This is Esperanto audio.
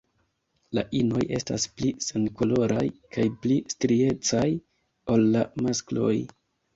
La inoj estas pli senkoloraj kaj pli striecaj ol la maskloj.